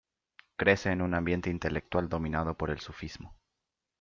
Crece en un ambiente intelectual dominado por el sufismo.